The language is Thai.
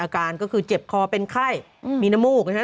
อาการก็คือเจ็บคอเป็นไข้มีน้ำมูกนะฮะ